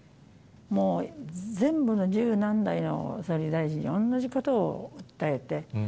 もう全部の十何代の総理大臣に、おんなじことを訴えて。